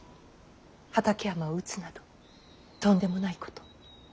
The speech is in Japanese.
畠山を討つなどとんでもないこと。